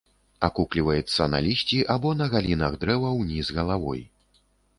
Акукліваецца на лісці або на галінах дрэва ўніз галавой.